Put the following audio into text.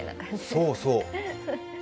そうそう。